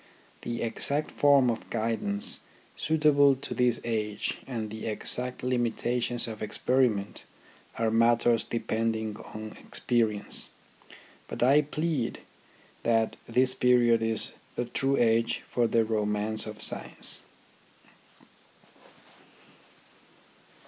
The exact form of guidance suitable to this age and the exact limitations of experiment 22 THE RHYTHM OF EDUCATION are matters depending on experience. But I plead that this period is the true age for the romance of science.